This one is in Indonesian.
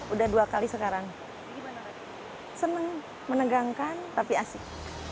udah dua kali sekarang seneng menegangkan tapi asik